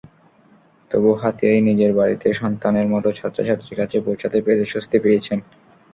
তবু হাতিয়ায় নিজের বাড়িতে, সন্তানের মতো ছাত্রছাত্রীর কাছে পৌঁছাতে পেরে স্বস্তি পেয়েছেন।